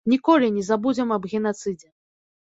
Ніколі не забудзем аб генацыдзе.